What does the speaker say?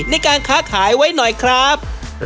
ในการค้าขายไว้หน่อยครับ